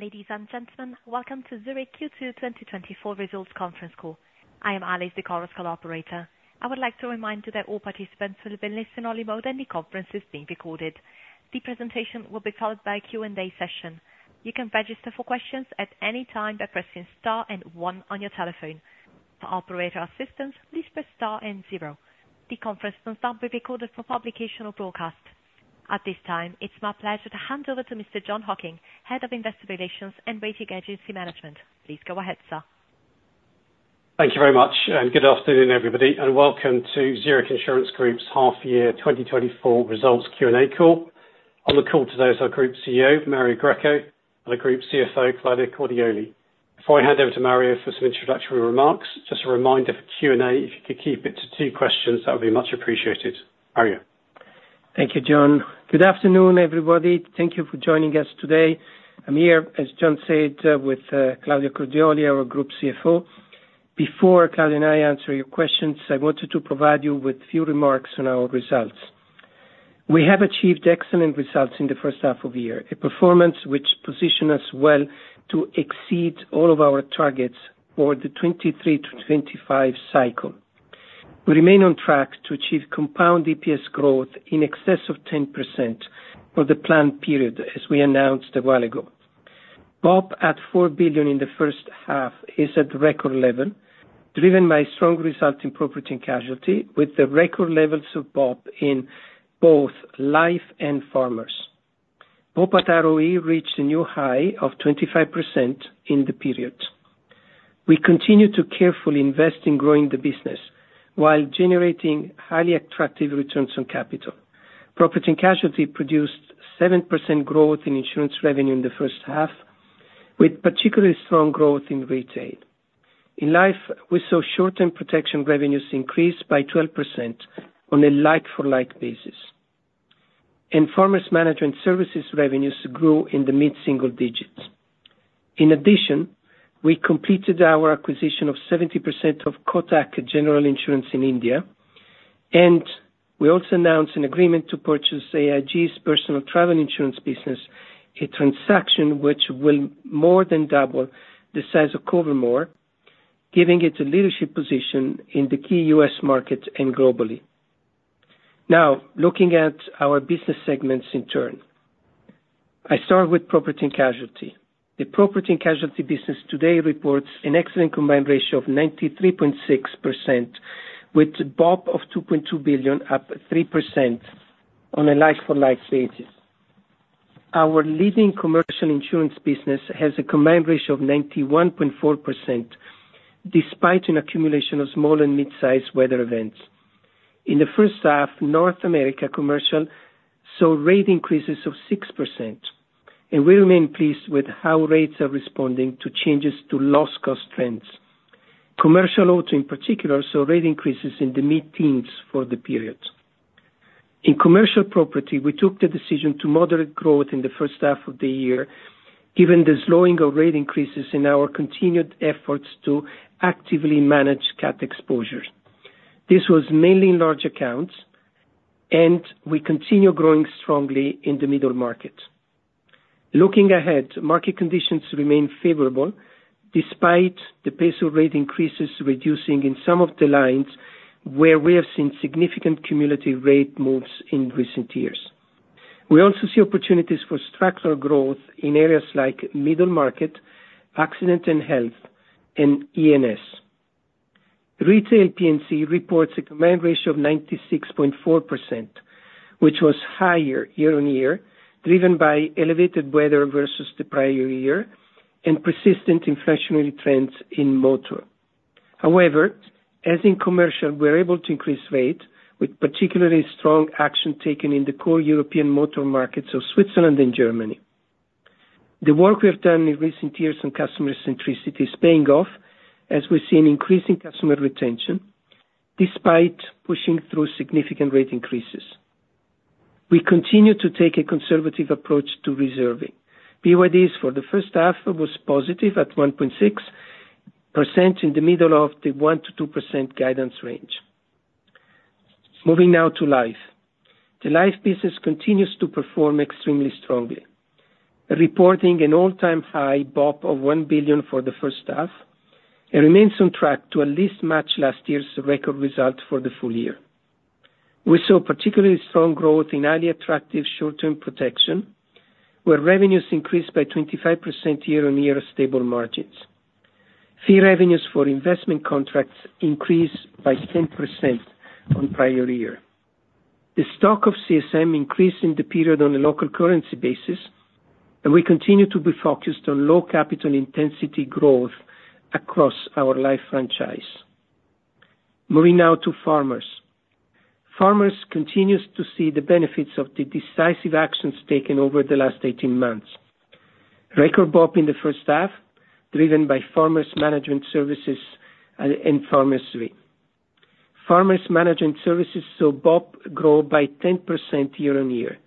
Ladies and gentlemen, welcome to Zurich Q2 2024 Results Conference Call. I am Alice, the call's collaborator. I would like to remind you that all participants will be in listen-only mode, and the conference is being recorded. The presentation will be followed by a Q&A session. You can register for questions at any time by pressing star and one on your telephone. For operator assistance, please press star and zero. The conference will not be recorded for publication or broadcast. At this time, it's my pleasure to hand over to Mr. Jon Hocking, Head of Investor Relations and Rating Agency Management. Please go ahead, sir. Thank you very much, and good afternoon, everybody, and welcome to Zurich Insurance Group's half-year 2024 results Q&A call. On the call today is our Group CEO, Mario Greco, and the Group CFO, Claudia Cordioli. Before I hand over to Mario for some introductory remarks, just a reminder for Q&A, if you could keep it to two questions, that would be much appreciated. Mario? Thank you, Jon. Good afternoon, everybody. Thank you for joining us today. I'm here, as Jon said, with Claudia Cordioli, our Group CFO. Before Claudia and I answer your questions, I wanted to provide you with a few remarks on our results. We have achieved excellent results in the first half of the year, a performance which position us well to exceed all of our targets for the 2023-2025 cycle. We remain on track to achieve compound EPS growth in excess of 10% for the planned period, as we announced a while ago. BOP, at $4 billion in the first half, is at record level, driven by strong results in property and casualty, with the record levels of BOP in both life and farmers. BOP at ROE reached a new high of 25% in the period. We continue to carefully invest in growing the business while generating highly attractive returns on capital. Property and Casualty produced 7% growth in insurance revenue in the first half, with particularly strong growth in retail. In Life, we saw short-term protection revenues increase by 12% on a like-for-like basis, and Farmers Management Services revenues grew in the mid-single digits. In addition, we completed our acquisition of 70% of Kotak General Insurance in India, and we also announced an agreement to purchase AIG's personal travel insurance business, a transaction which will more than double the size of Cover-More, giving it a leadership position in the key U.S. market and globally. Now, looking at our business segments in turn. I start with Property and Casualty. The Property and Casualty business today reports an excellent combined ratio of 93.6%, with BOP of $2.2 billion, up 3% on a like-for-like basis. Our leading Commercial Insurance business has a combined ratio of 91.4%, despite an accumulation of small and mid-sized weather events. In the first half, North America Commercial saw rate increases of 6%, and we remain pleased with how rates are responding to changes to loss cost trends. Commercial Auto, in particular, saw rate increases in the mid-teens for the period. In Commercial Property, we took the decision to moderate growth in the first half of the year, given the slowing of rate increases in our continued efforts to actively manage cat exposures. This was mainly in large accounts, and we continue growing strongly in the Middle Market. Looking ahead, market conditions remain favorable despite the pace of rate increases reducing in some of the lines where we have seen significant cumulative rate moves in recent years. We also see opportunities for structural growth in areas like middle market, accident and health, and ENS. Retail P&C reports a combined ratio of 96.4%, which was higher year-on-year, driven by elevated weather versus the prior year and persistent inflationary trends in motor. However, as in commercial, we're able to increase rates, with particularly strong action taken in the core European motor markets of Switzerland and Germany. The work we have done in recent years on customer centricity is paying off, as we've seen increasing customer retention despite pushing through significant rate increases. We continue to take a conservative approach to reserving. PYDs for the first half was positive at 1.6% in the middle of the 1%-2% guidance range. Moving now to Life. The Life business continues to perform extremely strongly, reporting an all-time high BOP of $1 billion for the first half and remains on track to at least match last year's record result for the full year. We saw particularly strong growth in highly attractive short-term protection, where revenues increased by 25% year-on-year, stable margins. Fee revenues for investment contracts increased by 10% on prior year. The stock of CSM increased in the period on a local currency basis, and we continue to be focused on low capital intensity growth across our Life franchise. Moving now to Farmers. Farmers continues to see the benefits of the decisive actions taken over the last 18 months. Record BOP in the first half, driven by Farmers Management Services and the Farmers. Farmers Management Services saw BOP grow by 10% year-on-year,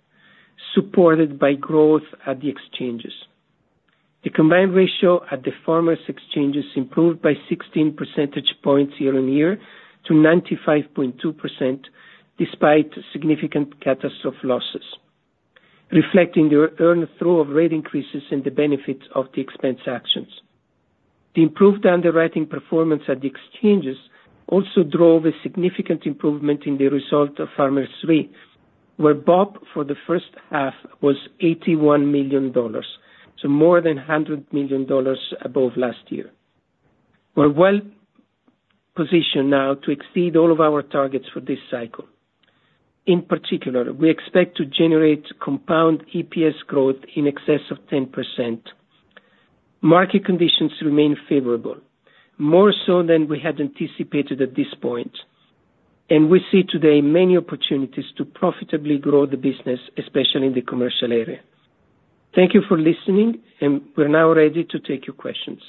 supported by growth at the exchanges. The combined ratio at the Farmers Exchanges improved by 16 percentage points year-on-year to 95.2%, despite significant catastrophe losses, reflecting the earned through of rate increases and the benefits of the expense actions. The improved underwriting performance at the exchanges also drove a significant improvement in the result of Farmers Re, where BOP for the first half was $81 million, so more than $100 million above last year. We're well positioned now to exceed all of our targets for this cycle. In particular, we expect to generate compound EPS growth in excess of 10%. Market conditions remain favorable, more so than we had anticipated at this point, and we see today many opportunities to profitably grow the business, especially in the commercial area. Thank you for listening, and we're now ready to take your questions.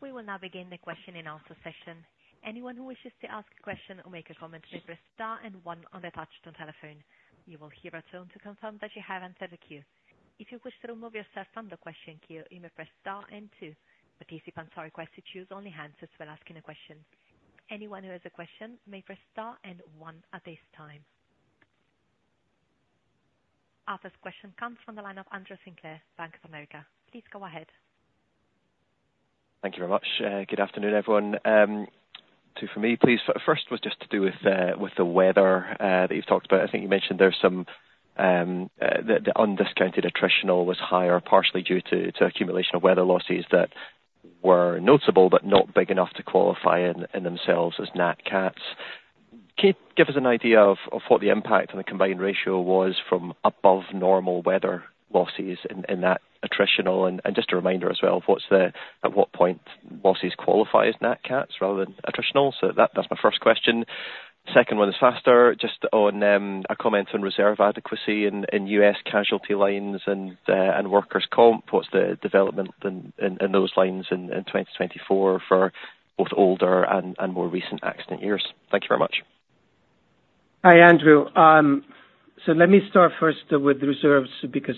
We will now begin the question and answer session. Anyone who wishes to ask a question or make a comment, please press star and one on the touch tone telephone. You will hear a tone to confirm that you have entered the queue. If you wish to remove yourself from the question queue, you may press star and two. Participants are requested to use only handsets when asking a question. Anyone who has a question may press star and one at this time. Our first question comes from the line of Andrew Sinclair, Bank of America. Please go ahead. Thank you very much. Good afternoon, everyone. Two for me, please. First was just to do with, with the weather, that you've talked about. I think you mentioned there's some, the, the undiscounted attritional was higher, partially due to, to accumulation of weather losses that were noticeable, but not big enough to qualify in, in themselves as nat cats. Can you give us an idea of, of what the impact on the combined ratio was from above normal weather losses in, in that attritional? And, and just a reminder as well, of what's the at what point losses qualify as nat cats rather than attritional. So that, that's my first question. Second one is faster, just on, a comment on reserve adequacy in, in U.S. casualty lines and, and workers' comp. What's the development in those lines in 2024 for both older and more recent accident years? Thank you very much. Hi, Andrew. So let me start first with the reserves, because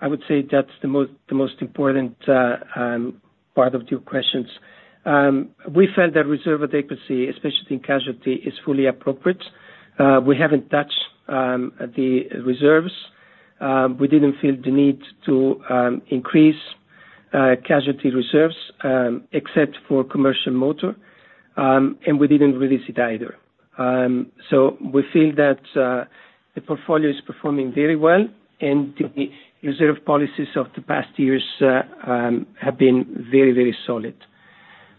I would say that's the most important part of your questions. We felt that reserve adequacy, especially in casualty, is fully appropriate. We haven't touched the reserves. We didn't feel the need to increase casualty reserves, except for commercial motor, and we didn't release it either. So we feel that the portfolio is performing very well, and the reserve policies of the past years have been very, very solid.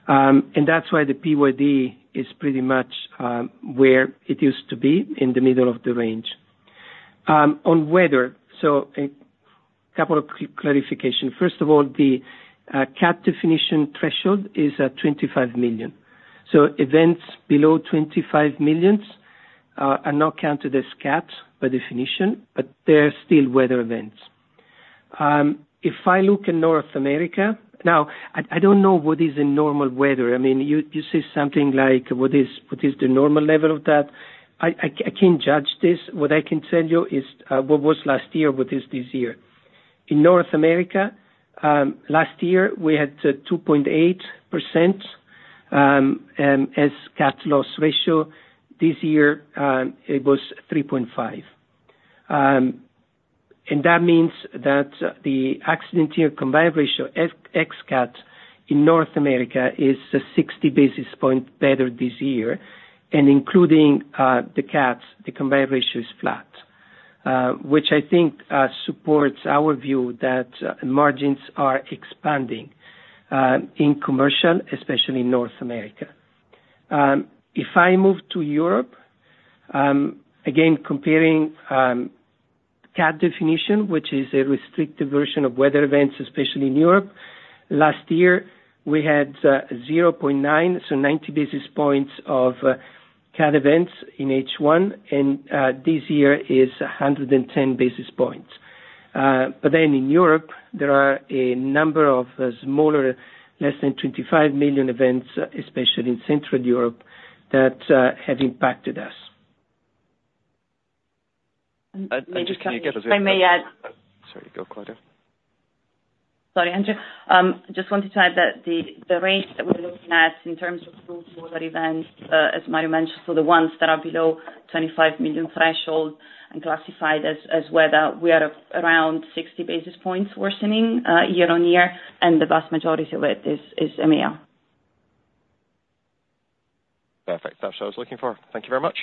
And that's why the PYD is pretty much where it used to be, in the middle of the range. On weather, so a couple of clarifications. First of all, the cat definition threshold is at 25 million. So events below $25 million are not counted as cats by definition, but they're still weather events. If I look in North America. Now, I don't know what is a normal weather. I mean, you say something like, what is the normal level of that? I can't judge this. What I can tell you is, what was last year, what is this year. In North America, last year, we had, 2.8% as cat loss ratio. This year, it was 3.5%. And that means that the accident year combined ratio, ex cat, in North America, is 60 basis points better this year, and including the cats, the combined ratio is flat, which I think, supports our view that margins are expanding, in commercial, especially in North America. If I move to Europe, again, comparing cat definition, which is a restrictive version of weather events, especially in Europe, last year, we had 0.9, so 90 basis points of cat events in H1, and this year is 110 basis points, but then in Europe, there are a number of smaller, less than 25 million events, especially in Central Europe, that have impacted us. May I just. If I may add. Sorry, go Claudia. Sorry, Andrew. I just wanted to add that the range that we're looking at in terms of those smaller events, as Mario mentioned, so the ones that are below 25 million threshold and classified as weather, we are around 60 basis points worsening, year-on-year, and the vast majority of it is EMEA. Perfect. That's what I was looking for. Thank you very much.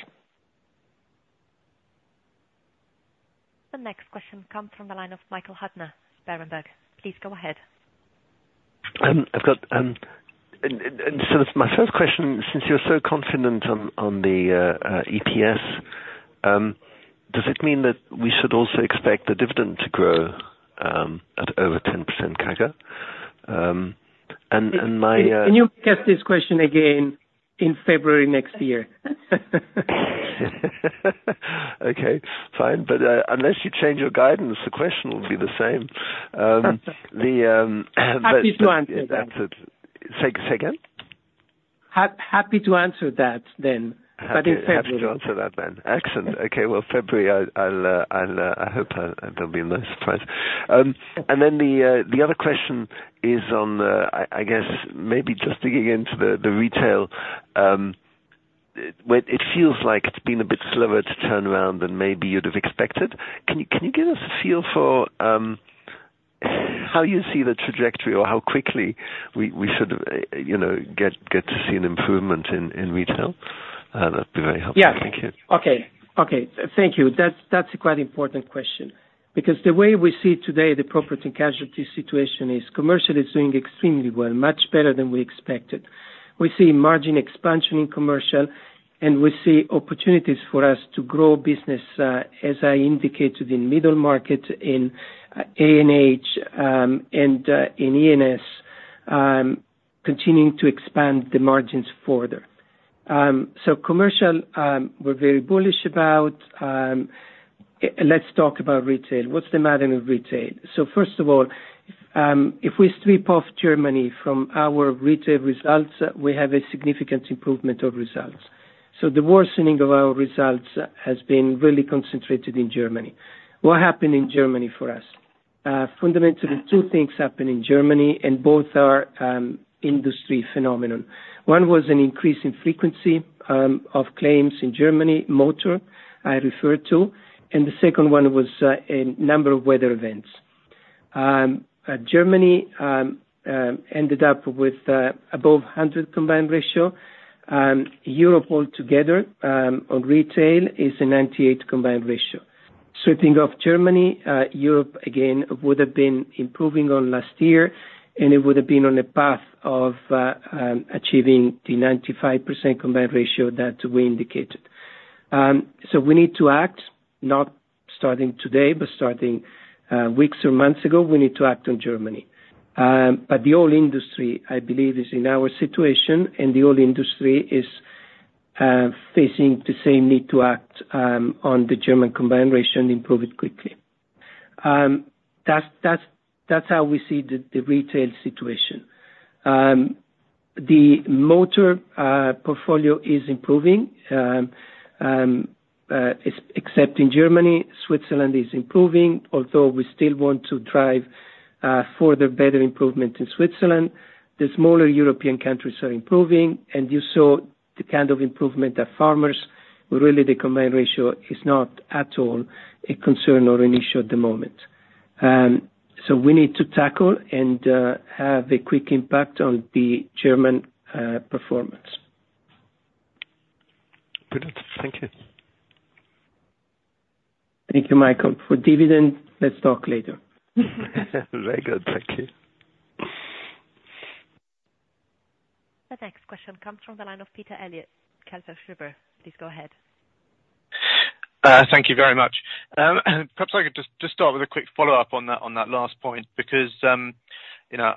The next question comes from the line of Michael Huttner, Berenberg. Please go ahead. So my first question, since you're so confident on the EPS, does it mean that we should also expect the dividend to grow at over 10% CAGR? And my Can you ask this question again in February next year? Okay, fine. But unless you change your guidance, the question will be the same. Happy to answer that. Say, say again? Happy to answer that then, but in February. Happy to answer that then. Excellent. Okay, well, February, I'll hope there'll be a nice surprise. And then the other question is on the, I guess, maybe just digging into the retail, when it feels like it's been a bit slower to turn around than maybe you'd have expected, can you give us a feel for how you see the trajectory or how quickly we should, you know, get to see an improvement in retail? That'd be very helpful. Yeah. Thank you. Okay. Okay, thank you. That's a quite important question, because the way we see today the property and casualty situation is commercial doing extremely well, much better than we expected. We see margin expansion in commercial, and we see opportunities for us to grow business, as I indicated, in middle market, in ANH, and in E&S, continuing to expand the margins further. Commercial, we're very bullish about. Let's talk about retail. What's the matter with retail? First of all, if we strip off Germany from our retail results, we have a significant improvement of results. The worsening of our results has been really concentrated in Germany. What happened in Germany for us? Fundamentally, two things happened in Germany, and both are industry phenomenon. One was an increase in frequency of claims in Germany, motor, I referred to, and the second one was a number of weather events. Germany ended up with above 100 combined ratio. Europe altogether on retail is a 98 combined ratio. Excluding Germany, Europe again would have been improving on last year, and it would have been on a path of achieving the 95% combined ratio that we indicated. So we need to act, not starting today, but starting weeks or months ago. We need to act on Germany. The whole industry, I believe, is in our situation, and the whole industry is facing the same need to act on the German combined ratio and improve it quickly. That's how we see the retail situation. The motor portfolio is improving. Except in Germany, Switzerland is improving, although we still want to drive further better improvement in Switzerland. The smaller European countries are improving, and you saw the kind of improvement that Farmers, really, the combined ratio is not at all a concern or an issue at the moment. So we need to tackle and have a quick impact on the German performance. Good. Thank you. Thank you, Michael. For dividend, let's talk later. Very good. Thank you. The next question comes from the line of Peter Eliot, Kepler Cheuvreux. Please go ahead. Thank you very much. Perhaps I could just start with a quick follow-up on that last point, because you know,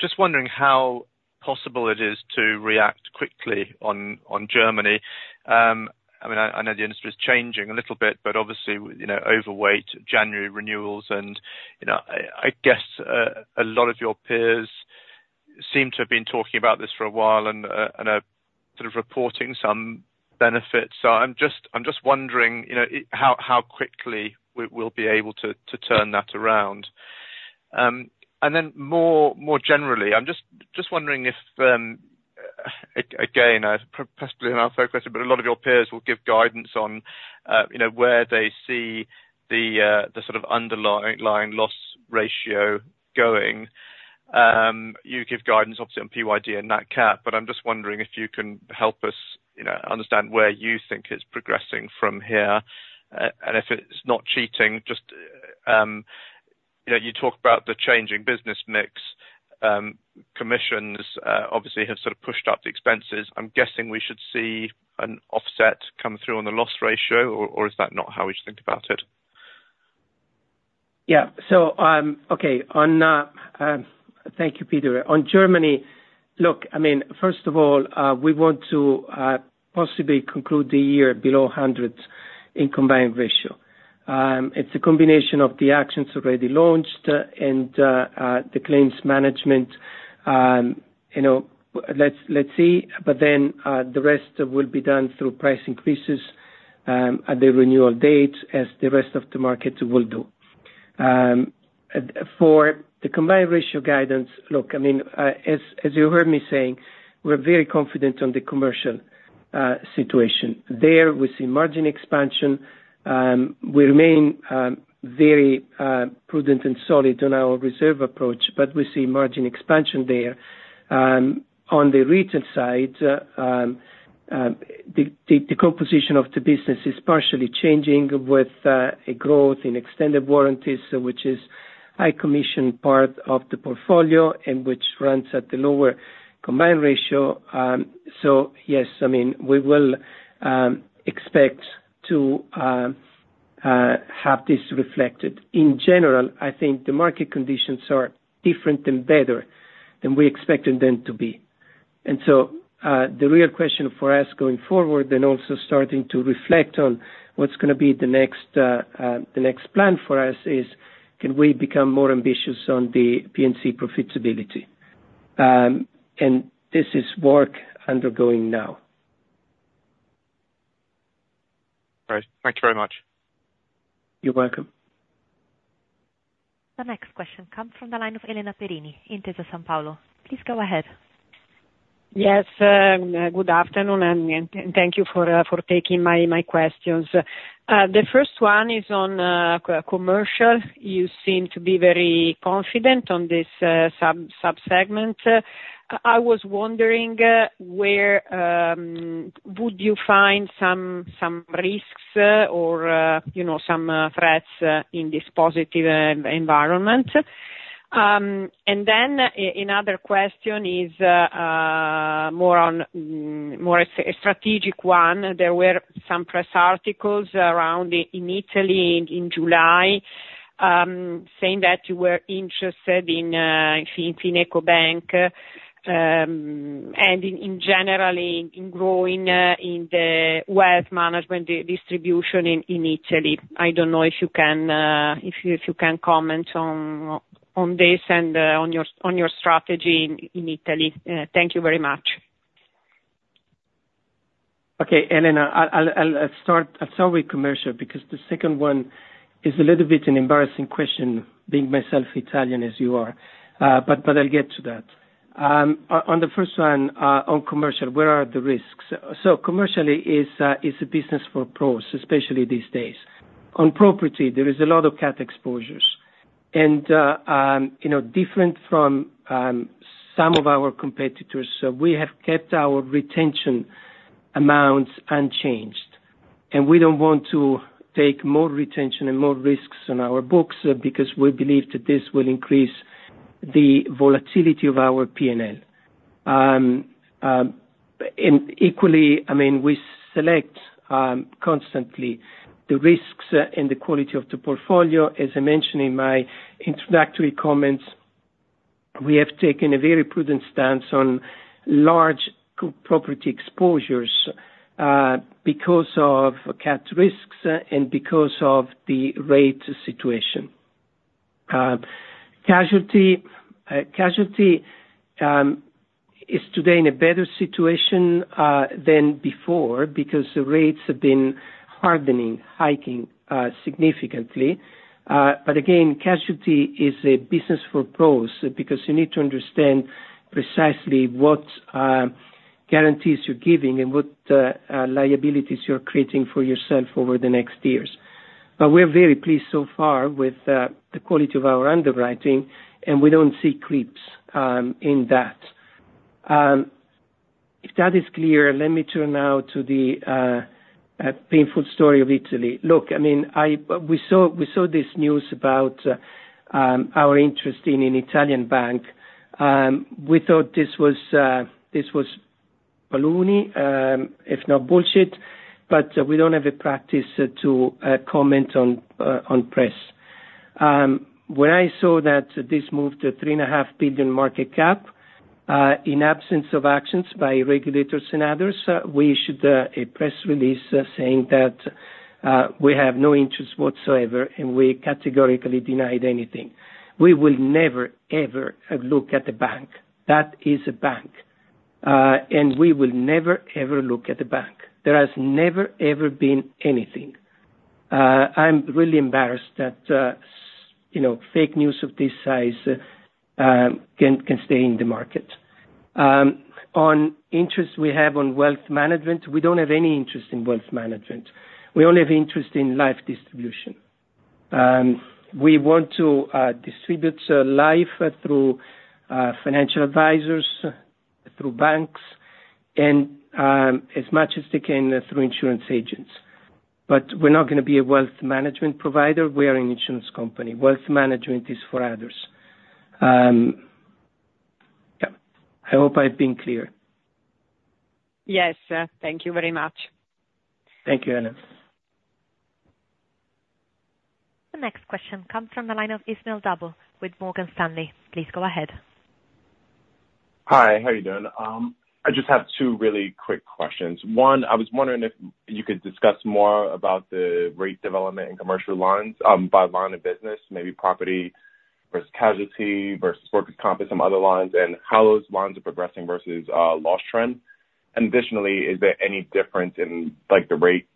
just wondering how possible it is to react quickly on Germany. I mean, I know the industry is changing a little bit, but obviously, you know, overweight January renewals and, you know, I guess a lot of your peers seem to have been talking about this for a while and are sort of reporting some benefits. So I'm just wondering, you know, how quickly we will be able to turn that around. And then more generally, I'm just wondering if, again, I perhaps believe in our first question, but a lot of your peers will give guidance on, you know, where they see the sort of underlying line loss ratio going. You give guidance, obviously, on PYD and nat cat, but I'm just wondering if you can help us, you know, understand where you think it's progressing from here. And if it's not cheating, just, you know, you talk about the changing business mix. Commissions, obviously have sort of pushed up the expenses. I'm guessing we should see an offset come through on the loss ratio, or is that not how we should think about it? Yeah. So okay, Thank you, Peter. On Germany, look, I mean, first of all, we want to possibly conclude the year below 100 in combined ratio. It's a combination of the actions already launched and the claims management. You know, let's see, but then the rest will be done through price increases at the renewal date, as the rest of the markets will do. For the combined ratio guidance, look, I mean, as you heard me saying, we're very confident on the commercial situation. There, we see margin expansion. We remain very prudent and solid on our reserve approach, but we see margin expansion there. On the retail side, the composition of the business is partially changing with a growth in extended warranties, which is high commission part of the portfolio and which runs at the lower combined ratio. So yes, I mean, we will expect to have this reflected. In general, I think the market conditions are different and better than we expected them to be. The real question for us going forward and also starting to reflect on what's gonna be the next, the next plan for us is: can we become more ambitious on the P&C profitability? This is work undergoing now. Great. Thank you very much. You're welcome. The next question comes from the line of Elena Perini, Intesa Sanpaolo. Please go ahead. Yes, good afternoon, and thank you for taking my questions. The first one is on commercial. You seem to be very confident on this sub-segment. I was wondering where would you find some risks or you know some threats in this positive environment? And then another question is more on a strategic one. There were some press articles around in Italy in July saying that you were interested in FinecoBank and generally in growing in the wealth management distribution in Italy. I don't know if you can comment on this and on your strategy in Italy. Thank you very much. Okay, Elena, I'll start with commercial, because the second one is a little bit an embarrassing question, being myself Italian, as you are. But I'll get to that. On the first one, on commercial, where are the risks? So commercial is a business for pros, especially these days. On property, there is a lot of cat exposures. And, you know, different from some of our competitors, we have kept our retention amounts unchanged, and we don't want to take more retention and more risks on our books, because we believe that this will increase the volatility of our PNL. And equally, I mean, we select constantly the risks and the quality of the portfolio. As I mentioned in my introductory comments, we have taken a very prudent stance on large commercial property exposures, because of cat risks and because of the rate situation. Casualty is today in a better situation than before because the rates have been hardening, hiking significantly. But again, casualty is a business for pros, because you need to understand precisely what guarantees you're giving and what liabilities you're creating for yourself over the next years. But we're very pleased so far with the quality of our underwriting, and we don't see creeps in that. If that is clear, let me turn now to the painful story of Italy. Look, I mean, we saw this news about our interest in an Italian bank. We thought this was baloney, if not bullshit, but we don't have a practice to comment on press. When I saw that this moved to $3.5 billion market cap, in absence of actions by regulators and others, we issued a press release saying that we have no interest whatsoever, and we categorically denied anything. We will never, ever look at the bank. That is a bank, and we will never, ever look at the bank. There has never, ever been anything. I'm really embarrassed that you know, fake news of this size can stay in the market. On interest we have on wealth management, we don't have any interest in wealth management. We only have interest in life distribution. We want to distribute life through financial advisors, through banks, and as much as they can, through insurance agents. But we're not gonna be a wealth management provider, we are an insurance company. Wealth management is for others. Yeah. I hope I've been clear. Yes, thank you very much. Thank you, Elena. The next question comes from the line of Ismail Dabil with Morgan Stanley. Please go ahead. Hi, how are you doing? I just have two really quick questions. One, I was wondering if you could discuss more about the rate development in commercial lines, by line of business, maybe property versus casualty versus workers' comp and some other lines, and how those lines are progressing versus loss trend. And additionally, is there any difference in, like, the rates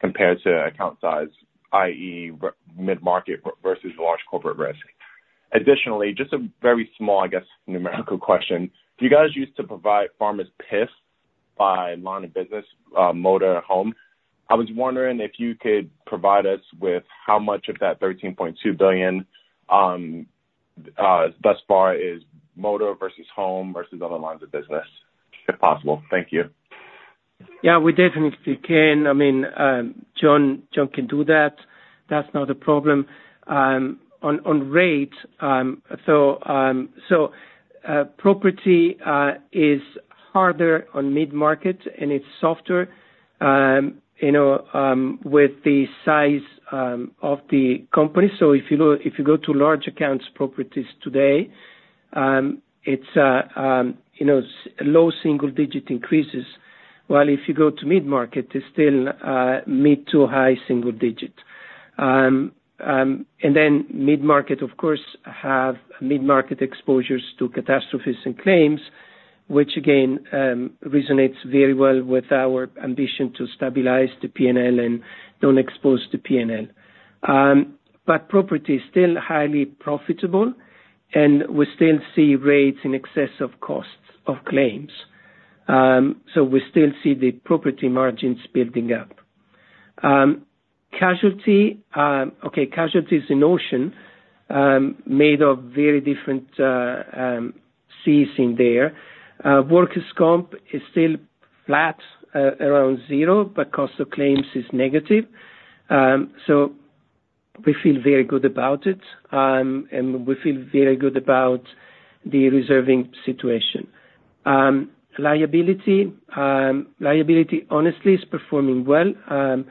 compared to account size, i.e., mid-market versus large corporate risk? Additionally, just a very small, I guess, numerical question: Do you guys use to provide Farmers' PIF by line of business, motor, home? I was wondering if you could provide us with how much of that $13.2 billion thus far is motor versus home versus other lines of business, if possible. Thank you. Yeah, we definitely can. I mean, Jon can do that. That's not a problem. On rates, so, property is harder on mid-market and it's softer, you know, with the size of the company. So if you go, if you go to large accounts properties today, it's, you know, low single digit increases, while if you go to mid-market, it's still, mid to high single digit. And then mid-market, of course, have mid-market exposures to catastrophes and claims, which again, resonates very well with our ambition to stabilize the PNL and don't expose the PNL. But property is still highly profitable, and we still see rates in excess of costs of claims. So we still see the property margins building up. Casualty, okay, casualties in ocean made of very different Cs in there. Workers' comp is still flat, around zero, but cost of claims is negative, so we feel very good about it, and we feel very good about the reserving situation. Liability, honestly, is performing well. The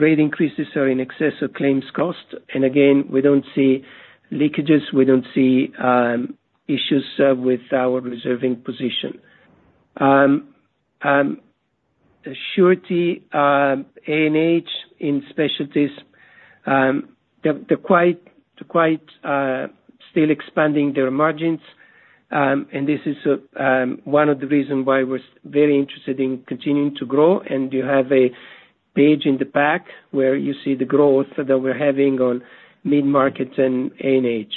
rate increases are in excess of claims cost, and again, we don't see leakages, we don't see issues with our reserving position. Surety, A&H in specialties, they're quite still expanding their margins, and this is one of the reasons why we're very interested in continuing to grow, and you have a page in the back where you see the growth that we're having on mid-markets and A&H.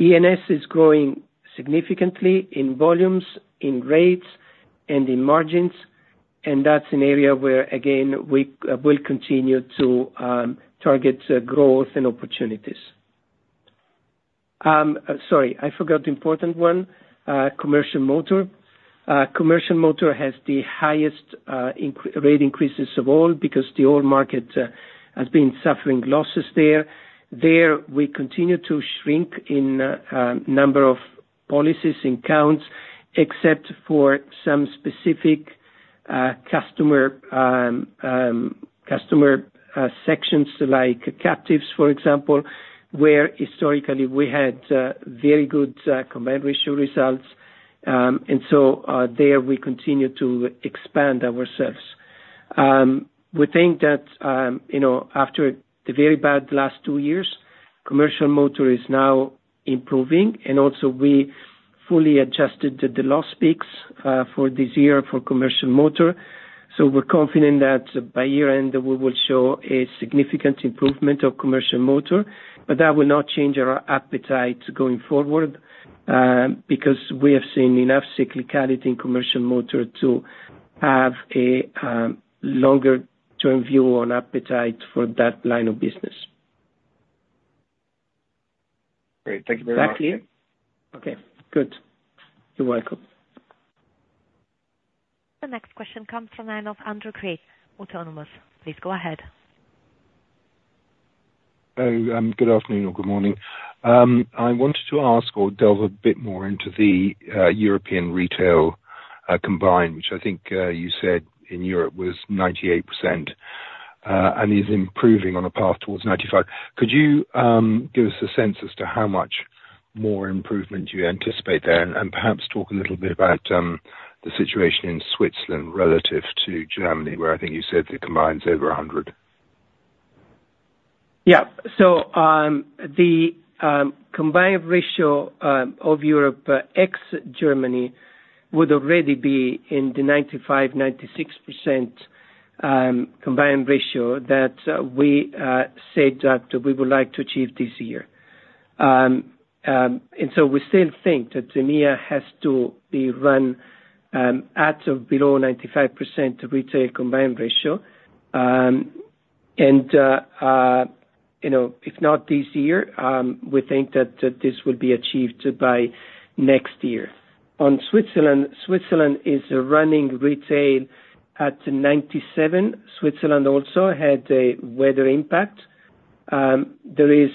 E&S is growing significantly in volumes, in rates, and in margins, and that's an area where, again, we will continue to target growth and opportunities. Sorry, I forgot the important one, commercial motor. Commercial motor has the highest rate increases of all, because the whole market has been suffering losses there. There, we continue to shrink in number of policies and counts, except for some specific customer sections, like captives, for example, where historically we had very good combined ratio results, and so there we continue to expand ourselves. We think that, you know, after the very bad last two years, commercial motor is now improving, and also we fully adjusted the loss peaks for this year for commercial motor. We're confident that by year-end, we will show a significant improvement of commercial motor. But that will not change our appetite going forward, because we have seen enough cyclicality in commercial motor to have a longer term view on appetite for that line of business. Great. Thank you very much. Is that clear? Okay, good. You're welcome. The next question comes from the line of Andrew Crean, Autonomous Research. Please go ahead. Good afternoon or good morning. I wanted to ask or delve a bit more into the European retail combined, which I think you said in Europe was 98%, and is improving on a path towards 95%. Could you give us a sense as to how much more improvement you anticipate there, and perhaps talk a little bit about the situation in Switzerland relative to Germany, where I think you said the combined's over 100%? Yeah. So, the combined ratio of Europe ex Germany would already be in the 95-96% combined ratio that we said that we would like to achieve this year. And so we still think that the EMEA has to be run at or below 95% retail combined ratio. And you know, if not this year, we think that this will be achieved by next year. On Switzerland, Switzerland is running retail at 97. Switzerland also had a weather impact. There is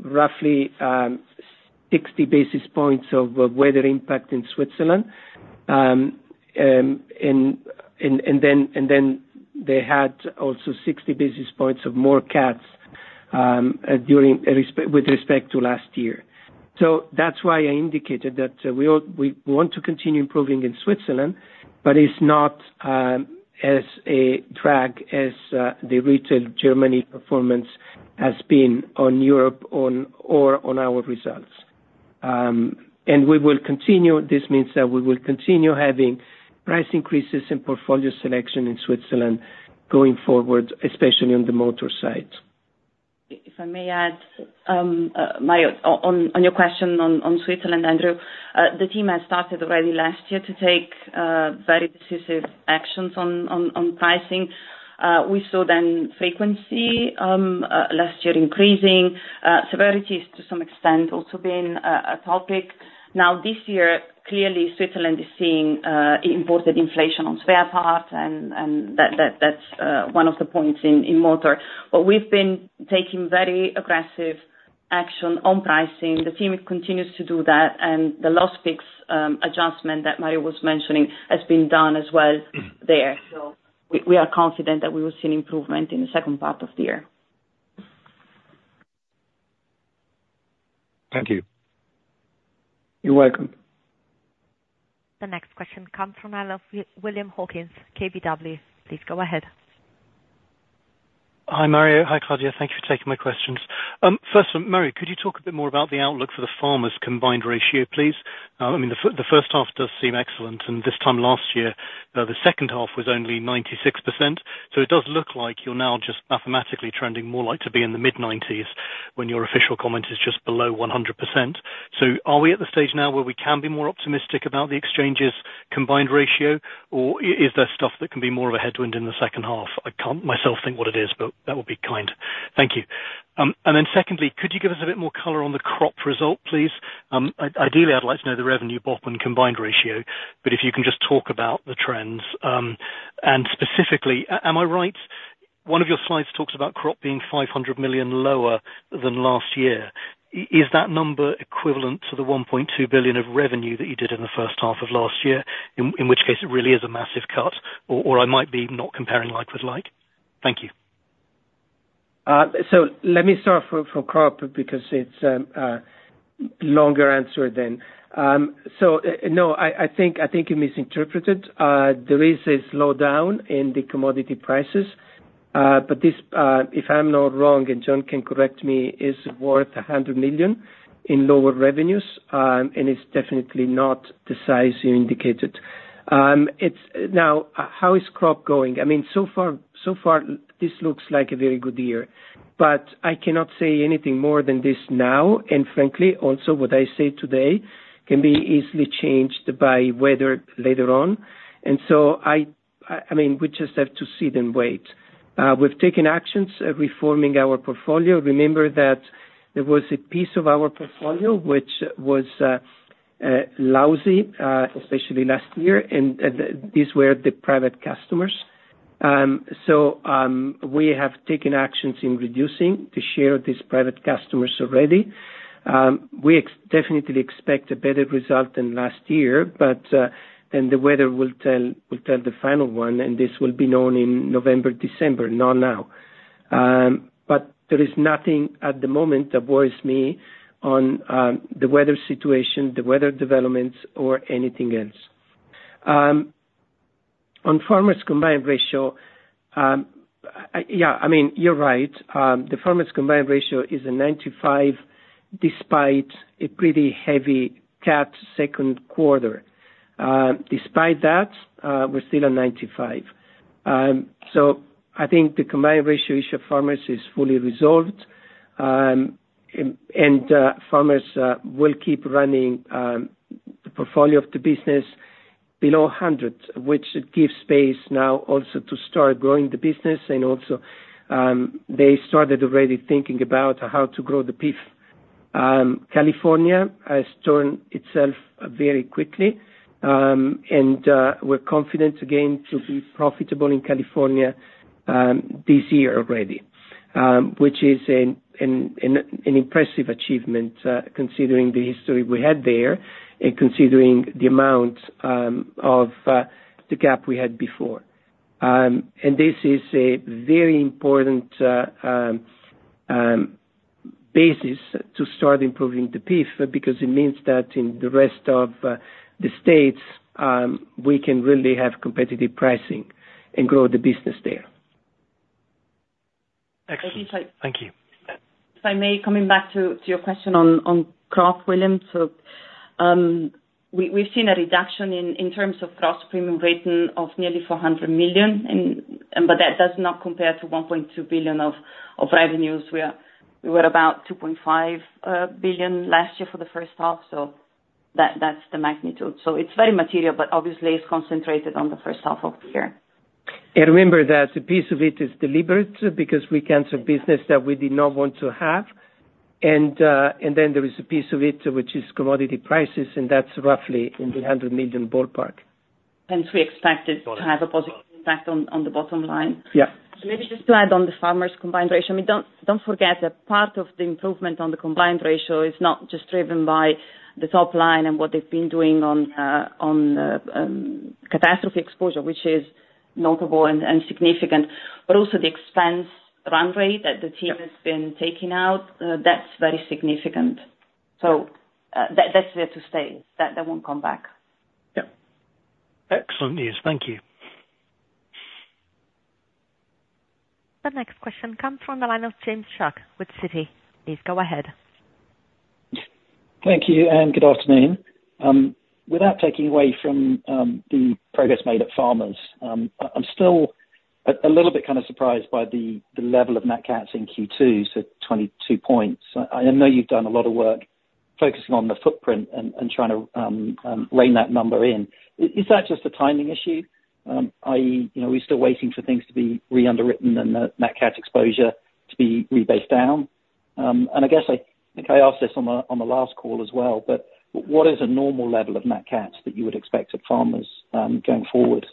roughly 60 basis points of weather impact in Switzerland. And then they had also 60 basis points of more cats with respect to last year. So that's why I indicated that we all want to continue improving in Switzerland, but it's not as a drag as the retail Germany performance has been on Europe, or on our results, and we will continue, this means that we will continue having price increases in portfolio selection in Switzerland going forward, especially on the motor side. If I may add, Mario, on your question on Switzerland, Andrew, the team has started already last year to take very decisive actions on pricing. We saw then frequency last year increasing, severities to some extent also being a topic. Now, this year, clearly Switzerland is seeing imported inflation on spare parts and that that's one of the points in motor. But we've been taking very aggressive action on pricing. The team continues to do that, and the last fix adjustment that Mario was mentioning has been done as well there. We are confident that we will see an improvement in the second part of the year. Thank you. You're welcome. The next question comes from the line of William Hawkins, KBW. Please go ahead. Hi, Mario. Hi, Claudia. Thank you for taking my questions. First, Mario, could you talk a bit more about the outlook for the Farmers combined ratio, please? I mean, the first half does seem excellent, and this time last year, the second half was only 96%. So it does look like you're now just mathematically trending more like to be in the mid-90s%, when your official comment is just below 100%. So are we at the stage now where we can be more optimistic about the exchanges combined ratio, or is there stuff that can be more of a headwind in the second half? I can't myself think what it is, but that would be kind. Thank you. Secondly, could you give us a bit more color on the crop result, please? Ideally, I'd like to know the revenue BOP and combined ratio, but if you can just talk about the trends, and specifically, am I right, one of your slides talks about crop being 500 million lower than last year. Is that number equivalent to the 1.2 billion of revenue that you did in the first half of last year? In which case, it really is a massive cut, or I might be not comparing like with like. Thank you. So let me start from crop, because it's a longer answer than, so, no, I think you misinterpreted. There is a slowdown in the commodity prices, but this, if I'm not wrong, and John can correct me, is worth $100 million in lower revenues, and it's definitely not the size you indicated. Now, how is crop going? I mean, so far, this looks like a very good year, but I cannot say anything more than this now, and frankly, also, what I say today can be easily changed by weather later on, and so I mean, we just have to see then wait. We've taken actions of reforming our portfolio. Remember that there was a piece of our portfolio which was lousy, especially last year, and these were the private customers. So, we have taken actions in reducing the share of these private customers already. We definitely expect a better result than last year, but, and the weather will tell the final one, and this will be known in November, December, not now. But there is nothing at the moment that worries me on the weather situation, the weather developments, or anything else. On Farmers' combined ratio, yeah, I mean, you're right. The Farmers' combined ratio is a 95, despite a pretty heavy cat second quarter. Despite that, we're still at 95. So I think the combined ratio issue of Farmers is fully resolved, and Farmers will keep running the portfolio of the business below hundred, which gives space now also to start growing the business and also they started already thinking about how to grow the PIF. California has turned itself very quickly, and we're confident again to be profitable in California this year already, which is an impressive achievement, considering the history we had there and considering the amount of the gap we had before. And this is a very important basis to start improving the PIF, because it means that in the rest of the states we can really have competitive pricing and grow the business there. Excellent. Thank you. If I may, coming back to your question on crop, William. So, we've seen a reduction in terms of gross premium written of nearly $400 million, and but that does not compare to $1.2 billion of revenues. We were about $2.5 billion last year for the first half, so that's the magnitude. So it's very material, but obviously it's concentrated on the first half of the year. And remember that a piece of it is deliberate, because we canceled business that we did not want to have. And then there is a piece of it which is commodity prices, and that's roughly in the hundred million ballpark. Hence, we expect it to have a positive impact on the bottom line. Yeah. Maybe just to add on the Farmers' combined ratio. I mean, don't forget that part of the improvement on the combined ratio is not just driven by the top line and what they've been doing on catastrophe exposure, which is notable and significant, but also the expense run rate that the team has been taking out, that's very significant. That, that's there to stay, that won't come back. Yeah. Excellent news. Thank you. The next question comes from the line of James Shuck with Citi. Please go ahead. Thank you, and good afternoon. Without taking away from the progress made at Farmers, I'm still a little bit kind of surprised by the level of net cats in Q2, so 22 points. I know you've done a lot of work focusing on the footprint and trying to rein that number in. Is that just a timing issue? i.e., you know, we're still waiting for things to be re-underwritten and the net cat exposure to be rebased down, and I guess I think I asked this on the last call as well, but what is a normal level of net cats that you would expect of Farmers going forward,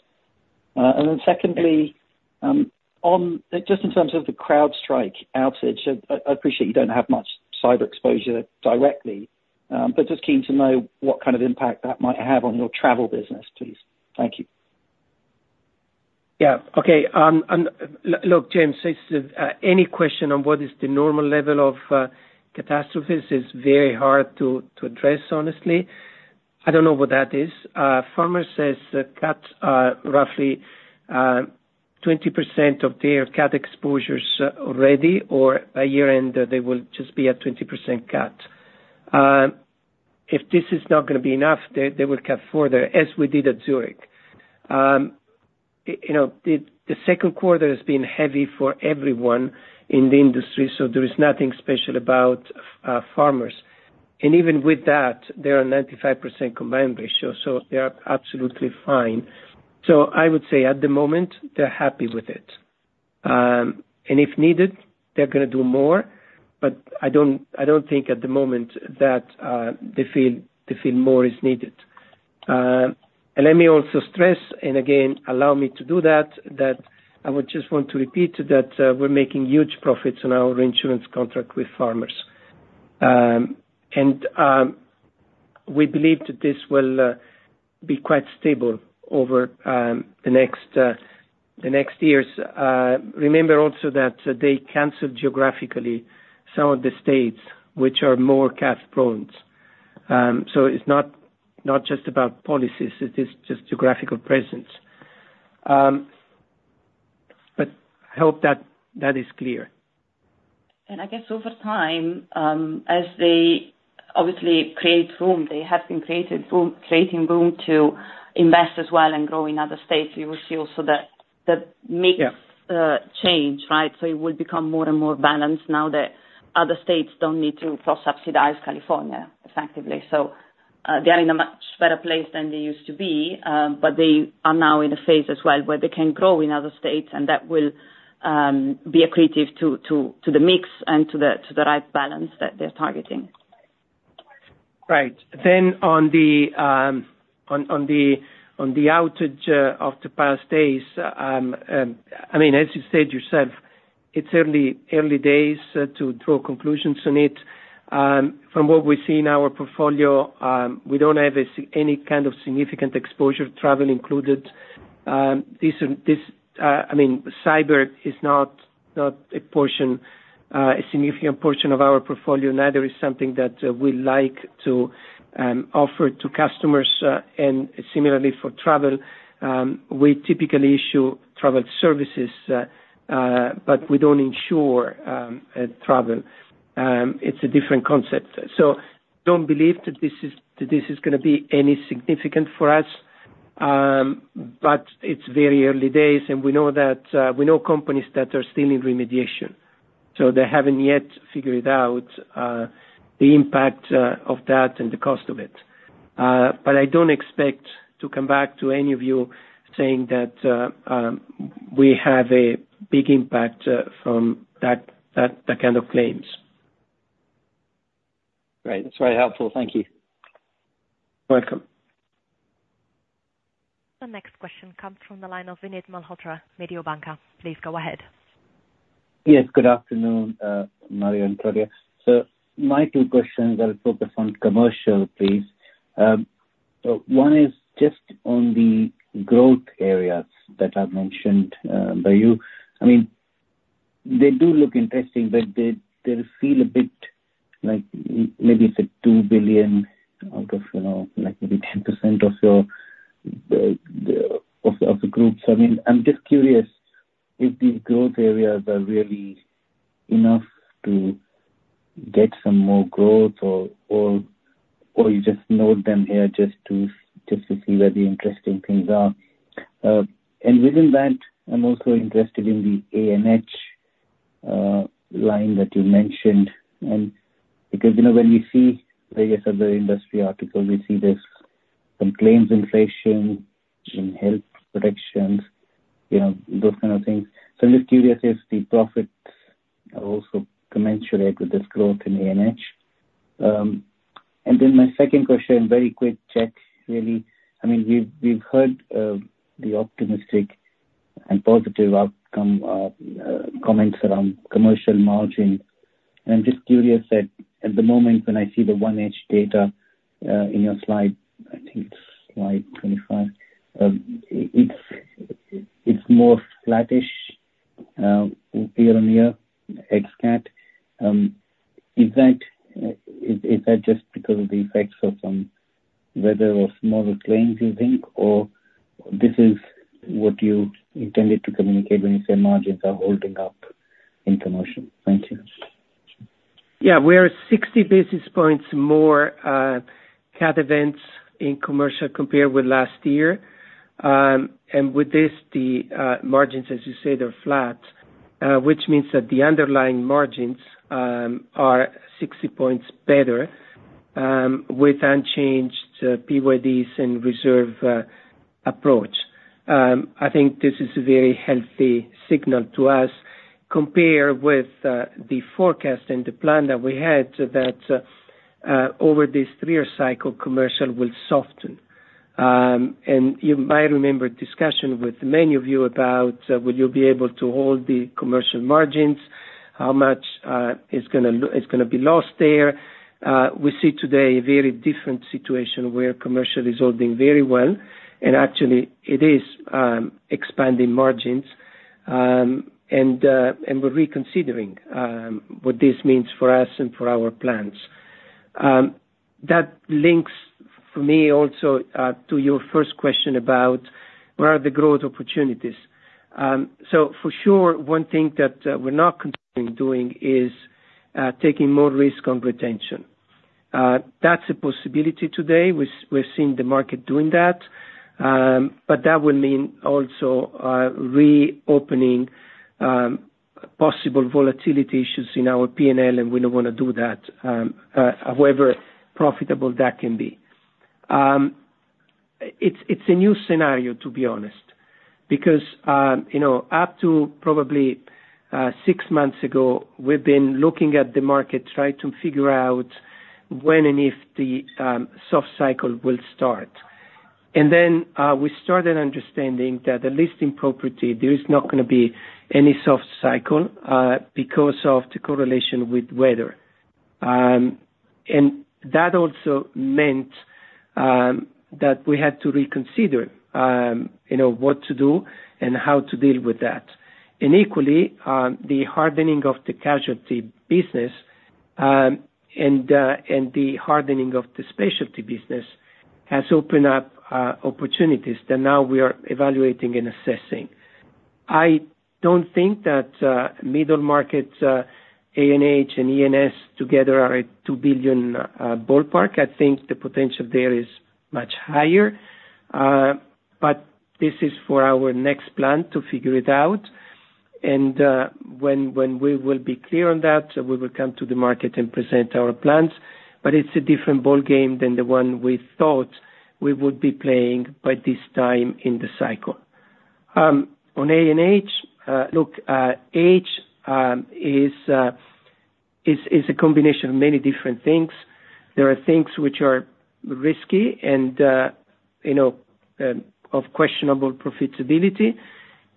and then secondly, on just in terms of the CrowdStrike outage, I appreciate you don't have much cyber exposure directly, but just keen to know what kind of impact that might have on your travel business, please. Thank you. Yeah. Okay, and look, James, it's any question on what is the normal level of catastrophes is very hard to address, honestly. I don't know what that is. Farmers says that cats are roughly 20% of their cat exposures already, or by year end, they will just be at 20% cat. If this is not gonna be enough, they will cut further, as we did at Zurich. You know, the second quarter has been heavy for everyone in the industry, so there is nothing special about Farmers. And even with that, they are 95% combined ratio, so they are absolutely fine. So I would say at the moment, they're happy with it. And if needed, they're gonna do more, but I don't think at the moment that they feel more is needed. And let me also stress, and again, allow me to do that, that I would just want to repeat that we're making huge profits on our reinsurance contract with Farmers. And we believe that this will be quite stable over the next years. Remember also that they canceled geographically some of the states which are more cat-prone. So it's not just about policies, it is just geographical presence. But I hope that is clear. And I guess over time, as they obviously create room, creating room to invest as well and grow in other states, you will see also that mix- Yeah. Change, right, so it will become more and more balanced now that other states don't need to cross-subsidize California, effectively, so they are in a much better place than they used to be, but they are now in a phase as well where they can grow in other states, and that will be accretive to the mix and to the right balance that they're targeting. Right. Then on the outage of the past days, I mean, as you said yourself, it's early, early days to draw conclusions on it. From what we see in our portfolio, we don't have any kind of significant exposure, travel included. I mean, cyber is not a significant portion of our portfolio. Neither is something that we like to offer to customers, and similarly for travel, we typically issue travel services, but we don't insure travel. It's a different concept. Don't believe that this is gonna be anything significant for us, but it's very early days, and we know companies that are still in remediation, so they haven't yet figured out the impact of that and the cost of it. But I don't expect to come back to any of you saying that we have a big impact from that kind of claims. Great. That's very helpful. Thank you. Welcome. The next question comes from the line of Vinit Malhotra, Mediobanca. Please go ahead. Yes, good afternoon, Mario and Claudia. So my two questions are focused on commercial, please. One is just on the growth areas that are mentioned by you. I mean, they do look interesting, but they feel a bit like maybe it's a two billion out of, you know, like maybe 10% of your, of the groups. I mean, I'm just curious if these growth areas are really enough to get some more growth or you just note them here just to see where the interesting things are. And within that, I'm also interested in the A&H line that you mentioned, and because, you know, when you see various other industry articles, we see there's some claims inflation in health protections, you know, those kind of things. So I'm just curious if the profits are also commensurate with this growth in A&H? And then my second question, very quick check, really. I mean, we've heard the optimistic and positive outcome comments around commercial margin. And I'm just curious that at the moment, when I see the 1H data in your slide, I think it's slide 25, it's more flattish year on year, ex cat. Is that just because of the effects of some weather or smaller claims, you think? Or this is what you intended to communicate when you say margins are holding up in commercial. Thank you. Yeah, we are 60 basis points more cat events in commercial compared with last year. And with this, the margins, as you say, they're flat, which means that the underlying margins are 60 points better with unchanged PYDs and reserve approach. I think this is a very healthy signal to us compared with the forecast and the plan that we had, that over this three-year cycle, commercial will soften. And you might remember discussion with many of you about will you be able to hold the commercial margins? How much is gonna be lost there. We see today a very different situation where commercial is all doing very well, and actually it is expanding margins. And we're reconsidering what this means for us and for our plans. That links for me also to your first question about where are the growth opportunities? So for sure, one thing that we're not considering doing is taking more risk on retention. That's a possibility today. We've seen the market doing that, but that will mean also reopening possible volatility issues in our PNL, and we don't wanna do that, however profitable that can be. It's a new scenario, to be honest, because you know, up to probably six months ago, we've been looking at the market, trying to figure out when and if the soft cycle will start. And then we started understanding that the leasing property, there is not gonna be any soft cycle because of the correlation with weather. And that also meant that we had to reconsider you know what to do and how to deal with that. And equally the hardening of the casualty business and the hardening of the specialty business has opened up opportunities that now we are evaluating and assessing. I don't think that middle market A&H and E&S together are a two billion ballpark. I think the potential there is much higher but this is for our next plan to figure it out. And when we will be clear on that, we will come to the market and present our plans, but it's a different ballgame than the one we thought we would be playing by this time in the cycle. On A&H look A&H is a combination of many different things. There are things which are risky and, you know, of questionable profitability,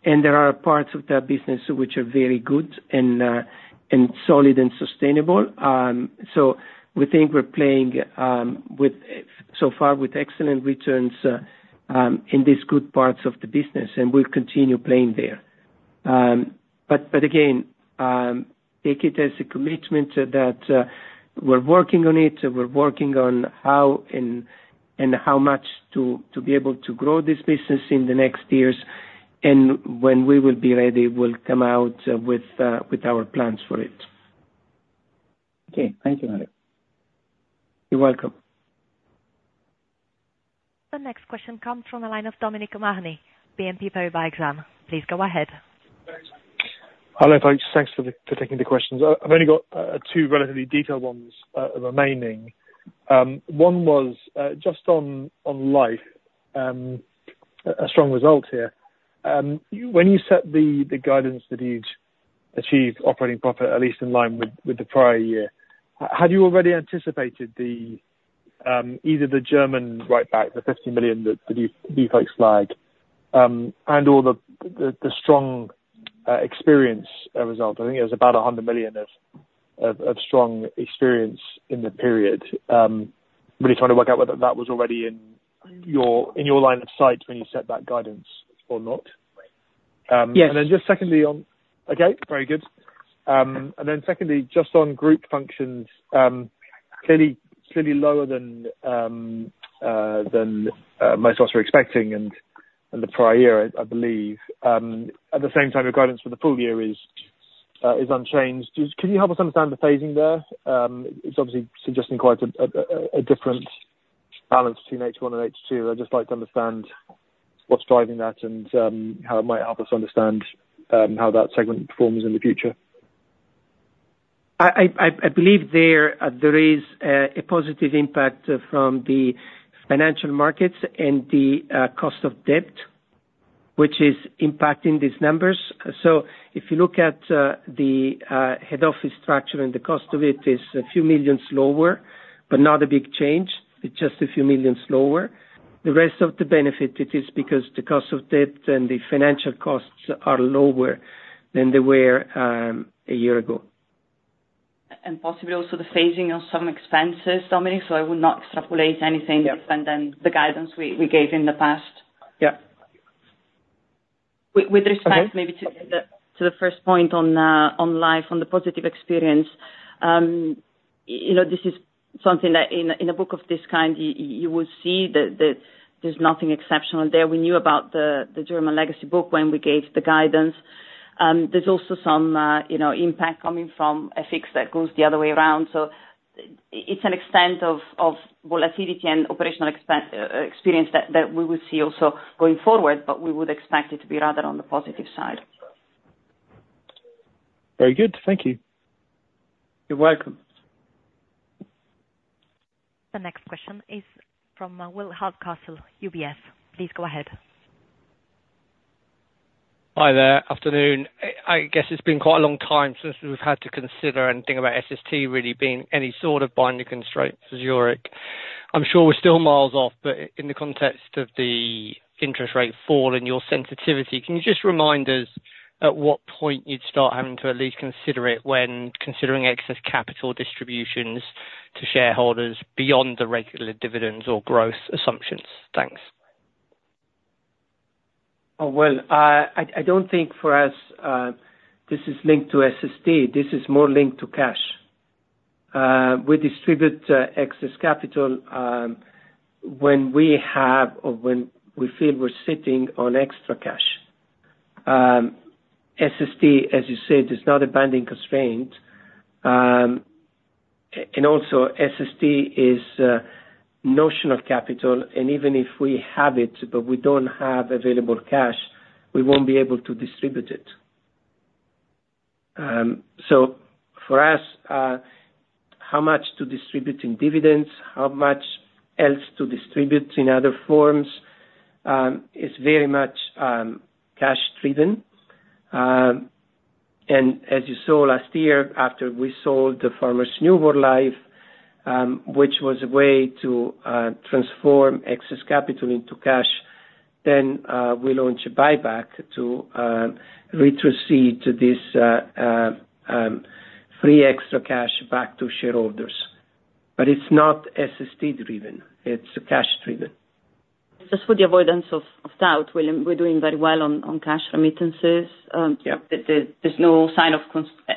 and there are parts of that business which are very good and solid and sustainable, so we think we're playing so far with excellent returns in these good parts of the business, and we'll continue playing there, but again, take it as a commitment that we're working on it, we're working on how and how much to be able to grow this business in the next years, and when we will be ready, we'll come out with our plans for it. Okay, thank you, Mario. You're welcome. The next question comes from a line of Dominic O'Mahony, BNP Paribas Exane. Please go ahead. Hello, folks. Thanks for taking the questions. I've only got two relatively detailed ones remaining. One was just on life, a strong result here. When you set the guidance that you'd achieve operating profit, at least in line with the prior year, had you already anticipated either the German write back, the 50 million that you folks flagged, and/or the strong experience result? I think it was about 100 million of strong experience in the period. Really trying to work out whether that was already in your line of sight when you set that guidance or not. Yes. And then just secondly on, okay, very good. And then secondly, just on group functions, clearly lower than most of us were expecting and the prior year, I believe. At the same time, your guidance for the full year is unchanged. Just, can you help us understand the phasing there? It's obviously suggesting quite a different balance between H one and H two. I'd just like to understand what's driving that and how it might help us understand how that segment performs in the future. I believe there is a positive impact from the financial markets and the cost of debt, which is impacting these numbers. So if you look at the head office structure and the cost of it, it is a few millions lower, but not a big change, it's just a few millions lower. The rest of the benefit, it is because the cost of debt and the financial costs are lower than they were a year ago. Possibly also the phasing of some expenses, Dominic, so I would not extrapolate anything different than the guidance we gave in the past. Yeah. With respect. Okay. Maybe to the first point on life, on the positive experience, you know, this is something that in a book of this kind, you will see that there's nothing exceptional there. We knew about the German legacy book when we gave the guidance. There's also some, you know, impact coming from exits that goes the other way around. So it's an extent of volatility and operational experience that we will see also going forward, but we would expect it to be rather on the positive side. Very good. Thank you. You're welcome. The next question is from Will Hardcastle, UBS. Please go ahead. Hi there. Afternoon. I guess it's been quite a long time since we've had to consider anything about SST really being any sort of binding constraint for Zurich. I'm sure we're still miles off, but in the context of the interest rate fall and your sensitivity, can you just remind us at what point you'd start having to at least consider it when considering excess capital distributions to shareholders beyond the regular dividends or growth assumptions? Thanks. Oh, well, I don't think for us this is linked to SST. This is more linked to cash. We distribute excess capital when we have or when we feel we're sitting on extra cash. SST, as you said, is not a binding constraint, and also SST is a notion of capital, and even if we have it, but we don't have available cash, we won't be able to distribute it, so for us, how much to distribute in dividends, how much else to distribute in other forms, is very much cash driven. And as you saw last year, after we sold the Farmers New World Life, which was a way to transform excess capital into cash, then we launched a buyback to return this excess free cash back to shareholders. But it's not SST driven. It's cash driven. Just for the avoidance of doubt, William, we're doing very well on cash remittances. Yeah. There, there's no sign of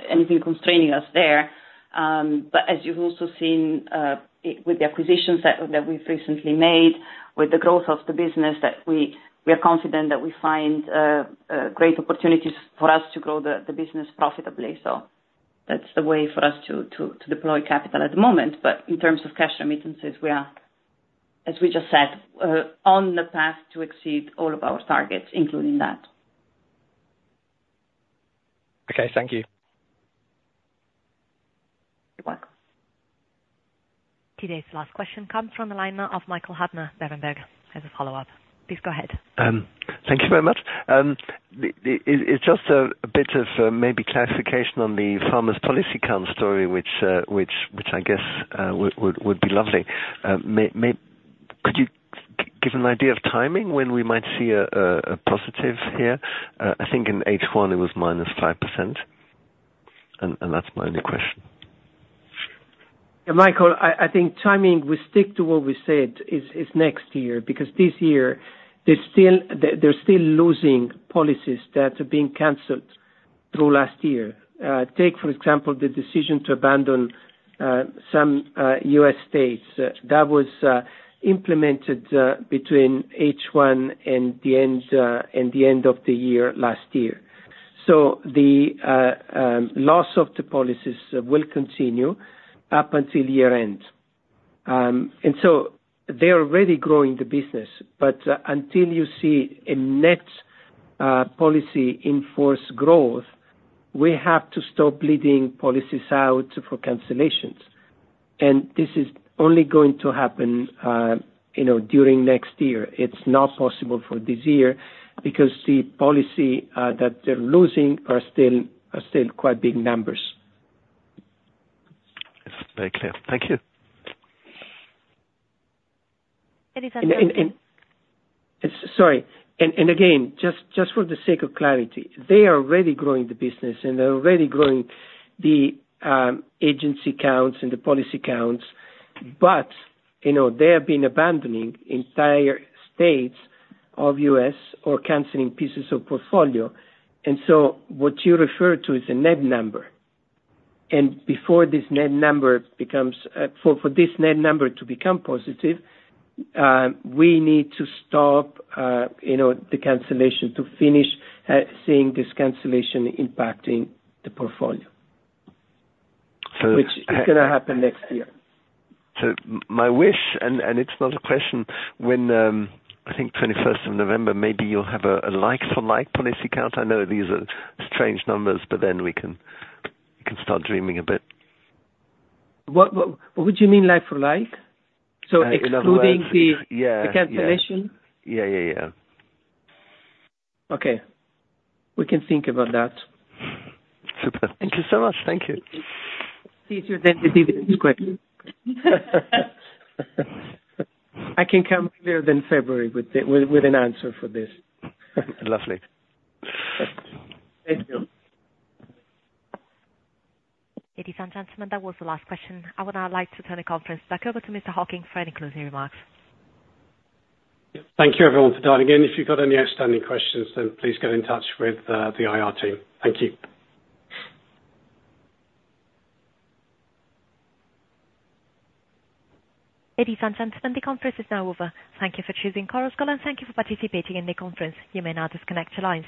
anything constraining us there. But as you've also seen, with the acquisitions that we've recently made, with the growth of the business, that we are confident that we find great opportunities for us to grow the business profitably. So that's the way for us to deploy capital at the moment. But in terms of cash remittances, we are, as we just said, on the path to exceed all of our targets, including that. Okay, thank you. You're welcome. Today's last question comes from the line of Michael Huttner, Berenberg. As a follow-up, please go ahead. Thank you very much. It's just a bit of maybe clarification on the Farmers policy count story, which I guess would be lovely. Could you give an idea of timing when we might see a positive here? I think in H1 it was -5%, and that's my only question. Yeah, Michael, I think timing, we stick to what we said, is next year, because this year they're still losing policies that are being canceled through last year. Take, for example, the decision to abandon some U.S. states. That was implemented between H1 and the end of the year, last year. So the loss of the policies will continue up until year end. And so they are already growing the business, but until you see a net policy in force growth, we have to stop leading policies out for cancellations. And this is only going to happen, you know, during next year. It's not possible for this year because the policies that they're losing are still quite big numbers. It's very clear. Thank you. Any further- Sorry. Again, just for the sake of clarity, they are already growing the business and they're already growing the agency counts and the policy counts, but you know, they have been abandoning entire states of U.S. or canceling pieces of portfolio. And so what you refer to is a net number, and before this net number becomes, for this net number to become positive, we need to stop you know, the cancellation, to finish seeing this cancellation impacting the portfolio- So. Which is gonna happen next year. So my wish, and it's not a question. When I think 21st of November, maybe you'll have a like-for-like policy count. I know these are strange numbers, but then we can, we can start dreaming a bit. What would you mean like for like? In other words. So excluding the. Yeah. The cancellation? Yeah, yeah, yeah. Okay. We can think about that. Super. Thank you so much. Thank you. Easier than the dividends question. I can come earlier than February with an answer for this. Lovely. Thank you. Ladies and gentlemen, that was the last question. I would now like to turn the conference back over to Mr. Hocking for any closing remarks. Yep. Thank you, everyone, for dialing in. If you've got any outstanding questions, then please get in touch with the IR team. Thank you. Ladies and gentlemen, the conference is now over. Thank you for choosing Chorus Call, and thank you for participating in the conference. You may now disconnect your lines.